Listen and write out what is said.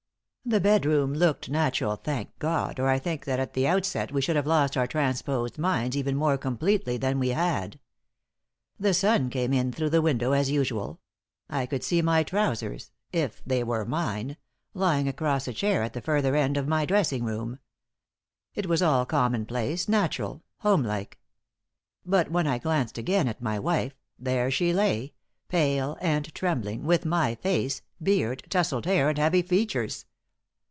The bedroom looked natural, thank God, or I think that at the outset we should have lost our transposed minds even more completely than we had. The sun came in through the window as usual. I could see my trousers if they were mine lying across a chair at the further end of my dressing room. It was all common place, natural, homelike. But when I glanced again at my wife, there she lay, pale and trembling, with my face, beard, tousled hair and heavy features.